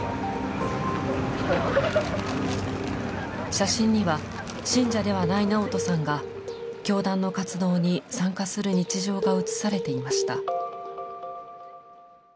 写真には信者ではないナオトさんが教団の活動に参加する日常が写されていました。